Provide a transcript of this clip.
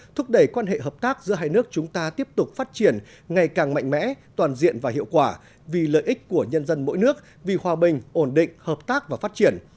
thúc đẩy quan hệ hợp tác giữa hai nước chúng ta tiếp tục phát triển ngày càng mạnh mẽ toàn diện và hiệu quả vì lợi ích của nhân dân mỗi nước vì hòa bình ổn định hợp tác và phát triển